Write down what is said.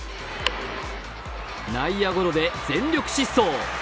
内野ゴロで全力疾走。